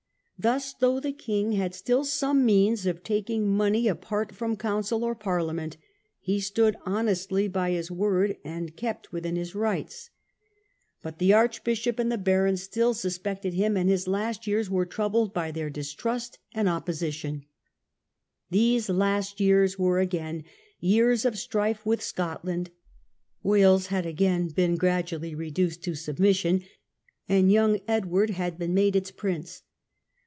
Thus, though the king had still some means of taking money apart from Council or Parliament, he stood honestly by his word and kept within his rights. But THE RISING OF SCOTLAND. 95 the archbishop and the barons still suspected him, and his last years were troubled by their distrust and oppo sition. These last years were again years of strife with Scotland, Wales had again been gradually reduced to submission, and young Edward had been made its prince.